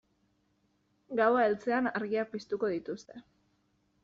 Gaua heltzean argiak piztuko dituzte.